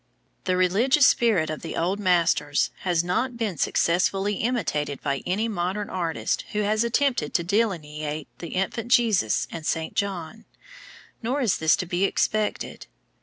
The religious spirit of the old masters has not been successfully imitated by any modern artist who has attempted to delineate the Infant Jesus and Saint John, nor is this to be expected.